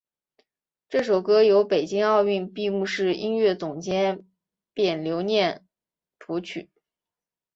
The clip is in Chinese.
这首歌由北京奥运会闭幕式音乐总监卞留念谱曲。